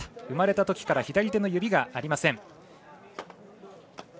生まれたときから左手の指がありません。